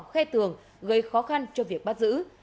khe tường gây khó khăn cho việc bắt giữ